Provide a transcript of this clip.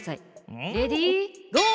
レディーゴー！